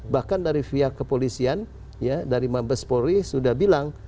bahkan dari pihak kepolisian ya dari mabes polri sudah bilang